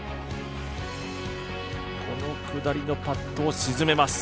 この下りのパットを沈めます。